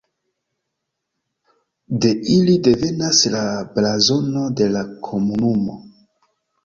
De ili devenas la blazono de la komunumo.